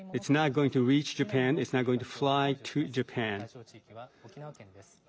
対象地域は沖縄県です。